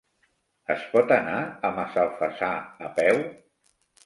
Es pot anar a Massalfassar a peu?